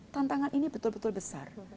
tantangan ini betul betul besar